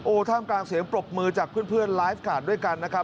ท่ามกลางเสียงปรบมือจากเพื่อนไลฟ์การ์ดด้วยกันนะครับ